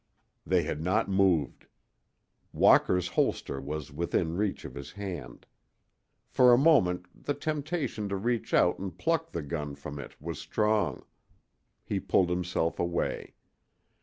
They had not moved. Walker's holster was within reach of his hand. For a moment the temptation to reach out and pluck the gun from it was strong. He pulled himself away.